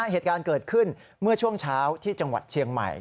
เหตุการณ์เกิดขึ้นเมื่อช่วงเช้าที่จังหวัดเชียงใหม่